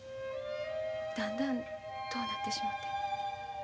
だんだん遠なってしもうて。